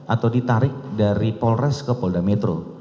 atau ditarik dari polres ke polda metro